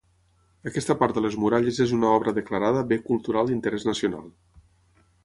Aquesta part de les muralles és una obra declarada bé cultural d'interès nacional.